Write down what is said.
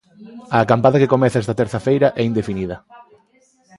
A acampada que comeza esta terza feira é indefinida.